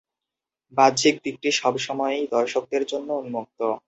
বাহ্যিক দিকটি সবসময়ই দর্শকদের জন্য উন্মুক্ত।